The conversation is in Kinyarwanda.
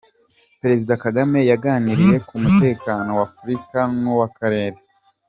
Perezida Kagame yaganiriye ku mutekano wa Afurika n’uw’Akarere